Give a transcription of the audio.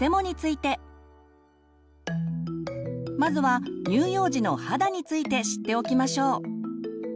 まずは乳幼児の肌について知っておきましょう。